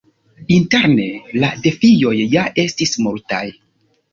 Interne, la defioj ja estis multaj.